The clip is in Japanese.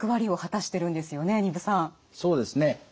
そうですね。